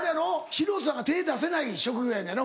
素人さんが手出せない職業やろ？